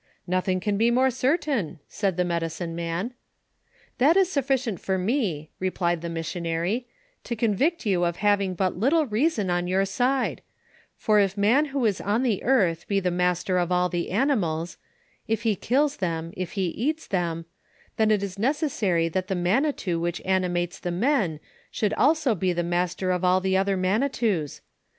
'— 'Nothing can bo more certain,' said the ine«)ioino>man. 'That ii tuffioient for me/ replied the minionary, 'to convict you of having but little reason on ymir aide; for if man who la ou the earth be the maater of all the anininla — if ha kiila theni, if ho eata them— then it ia neoeaaary that the manitou which animatea the men ahould *lao bo tiie master of all the other manitous.